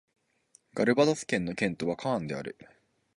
カルヴァドス県の県都はカーンである